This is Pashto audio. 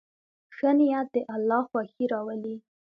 ښه نیت د الله خوښي راولي.